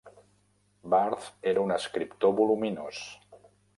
Barth era un escriptor voluminós.